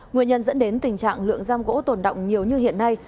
nguyên nhân dẫn đến tình trạng lượng răm gỗ tồn đọng nhiều như hiện nay